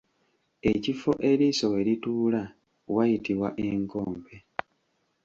Ekifo eriiso we lituula wayitibwa enkompe.